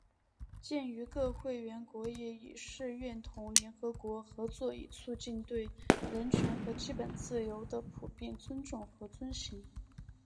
鉴于各会员国业已誓愿同联合国合作以促进对人权和基本自由的普遍尊重和遵行